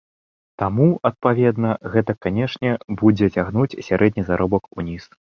Таму, адпаведна, гэта, канечне, будзе цягнуць сярэдні заробак уніз.